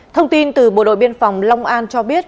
thông tin từ bộ đội biên phòng long an cho biết